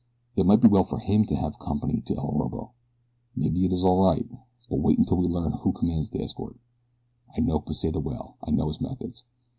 It might be well for him to have company to El Orobo. Maybe it is all right; but wait until we learn who commands the escort. I know Pesita well. I know his methods.